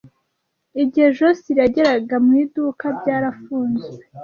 Igihe Josehl yageraga mu iduka byarafunzwe.